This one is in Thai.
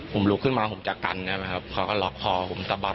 ผมหลุกขึ้นมาหุบจากกันเขาก็หลอกคอผมสะบัด